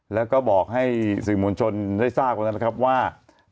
แล้วก็บอกให้สื่อมวลชนได้ทราบแล้วนะครับว่า